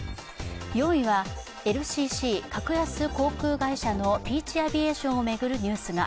４位はＬＣＣ＝格安航空会社のピーチ・アビエーションを巡るニュースが。